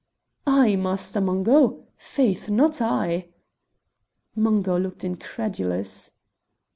"I, Master Mungo! Faith, not I!" Mungo looked incredulous.